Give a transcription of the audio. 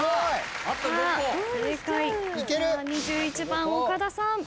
１番岡田さん。